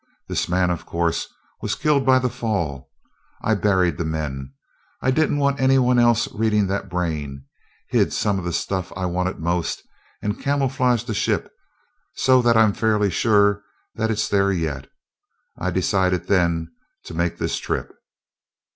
This man, of course, was killed by the fall. I buried the men I didn't want anybody else reading that brain hid some of the stuff I wanted most, and camouflaged the ship so that I'm fairly sure that it's there yet. I decided then to make this trip."